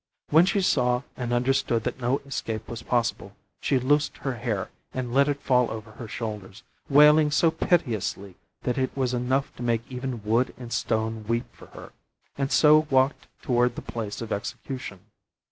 When she saw and understood that no escape was possible, she loosed her hair and let it fall over her shoulders, wailing so piteously that it was enough to make even wood and stone weep for her, and so walked toward the place of execution.